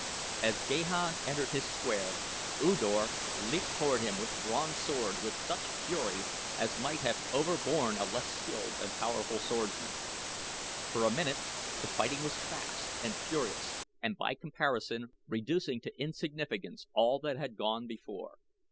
As Gahan entered his square, U Dor leaped toward him with drawn sword with such fury as might have overborne a less skilled and powerful swordsman. For a minute the fighting was fast and furious and by comparison reducing to insignificance all that had gone before.